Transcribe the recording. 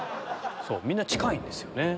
みんな近いんですよね。